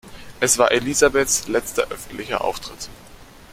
Es war Elisabeths letzter öffentlicher Auftritt.